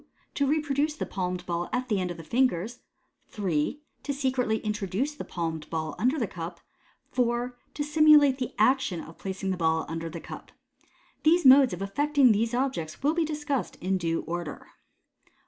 To reproduce the palmed ball at the end of the fingers. 3. To secretly introduce the palmed ball under the cup. 4. To simulate the action of placing the ball under the cup. The modes of effecting these objects will be discussed in due order.